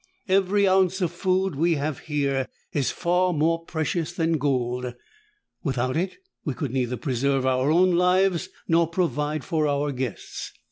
Every ounce of food we have here is far more precious than gold. Without it, we could neither preserve our own lives nor provide for our guests.